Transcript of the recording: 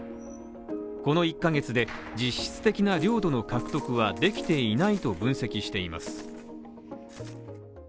この１ヶ月で実質的な領土の獲得はできていないと分析しています。